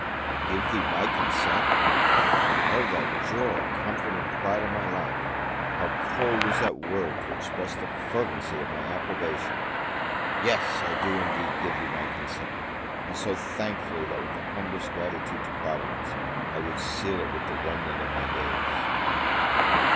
Give thee my consent? Oh thou joy, comfort, and pride of my life, how cold is that word to express the fervency of my approbation! Yes, I do indeed give thee my consent; and so thankfully, that, with the humblest gratitude to Providence, I would seal it with the remnant of my days.